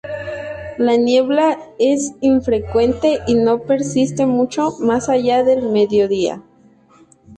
La niebla es infrecuente y no persiste mucho más allá del mediodía.